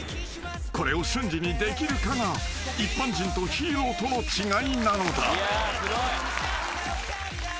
［これを瞬時にできるかが一般人とヒーローとの違いなのだ］